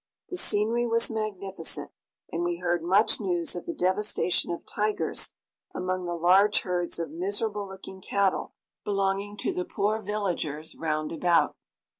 The scenery was magnificent, and we heard much news of the devastation of tigers among the large herds of miserable looking cattle belonging to the poor villagers roundabout.